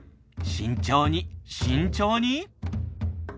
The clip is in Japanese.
慎重に慎重に。